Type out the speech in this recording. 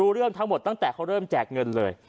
เรื่องทั้งหมดตั้งแต่เขาเริ่มแจกเงินเลย